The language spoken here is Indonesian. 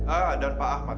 ah dan pak ahmad